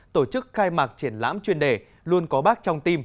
tổ chức khai mạc triển lãm chuyên đề luôn có bác trong tim